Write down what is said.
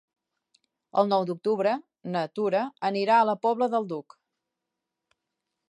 El nou d'octubre na Tura anirà a la Pobla del Duc.